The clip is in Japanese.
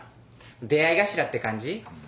出合い頭って感じ？